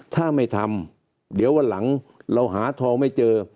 ถ้าไม่ทำเดี๋ยววันหลังเราหาทองไม่เจอ